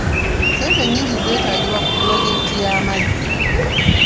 Ssente nnyingi zeetaagibwa ku pulojekiti y'amazzi.